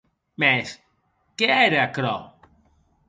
Mès, qué ère aquerò?